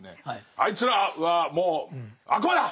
「あいつらはもう悪魔だ！」。